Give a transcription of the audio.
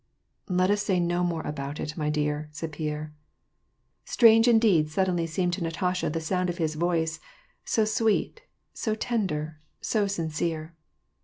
" Let us say no more about it, my dear," said Pierre. Strange » Adeed suddenly seemed to Natasha the sound of his voice, so •veet, 80 tender, so sincere.